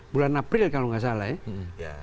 bulan april kalau nggak salah ya